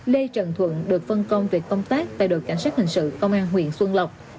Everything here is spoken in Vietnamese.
lê trần thuận được phân công về công tác tại đội cảnh sát hình sự công an huyện xuân lộc